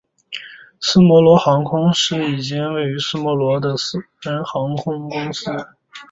科摩罗航空是一间位于科摩罗的私人航空公司。